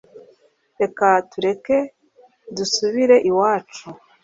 reka tureke dusubire iwacu